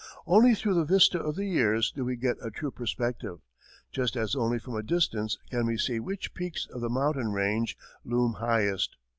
Only through the vista of the years do we get a true perspective, just as only from a distance can we see which peaks of the mountain range loom highest.